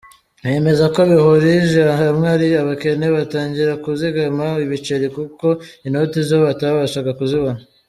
Bemeza ko bihurije hamwe ari abakene, batangira kuzigama ibiceri kuko inoti zo batabashaga kuzibona.